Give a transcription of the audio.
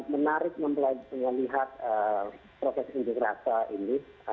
menarik melihat proses indigrasa ini